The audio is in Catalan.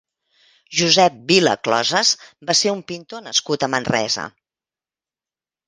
Josep Vila Closes va ser un pintor nascut a Manresa.